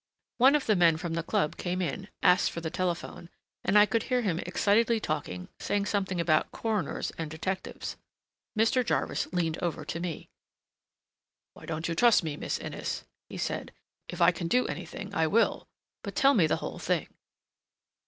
One of the men from the club came in, asked for the telephone, and I could hear him excitedly talking, saying something about coroners and detectives. Mr. Jarvis leaned over to me. "Why don't you trust me, Miss Innes?" he said. "If I can do anything I will. But tell me the whole thing."